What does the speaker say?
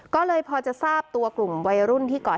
ก็เลยพอจะทราบตัวกลุ่มวัยรุ่นที่ก่อน